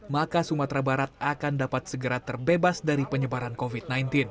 maka sumatera barat akan dapat segera terbebas dari penyebaran covid sembilan belas